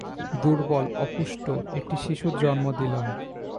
দুর্বল, অপুষ্ট একটি শিশুর জন্ম দিলাম।